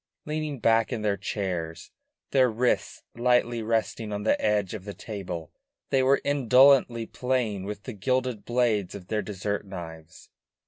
Leaning back in their chairs, their wrists lightly resting on the edge of the table, they were indolently playing with the gilded blades of their dessert knives.